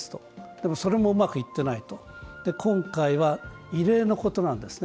でも、それもうまくいっていないと今回は異例のことなんですね。